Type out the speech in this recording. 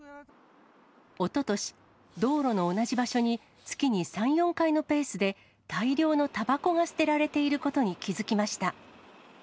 おととし、道路の同じ場所に月に３、４回のペースで大量のたばこが捨てられていることに気付きました。